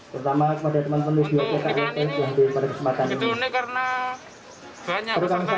pertama kepada teman teman di yogyakarta yang telah diperkesempatan